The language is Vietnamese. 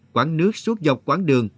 quán nước suốt dọc quãng đường